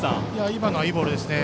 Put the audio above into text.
今のはいいボールですね。